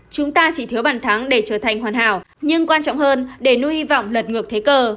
chúng ta chỉ thiếu bàn thắng để trở thành hoàn hảo nhưng quan trọng hơn để nuôi hy vọng lật ngược thế cờ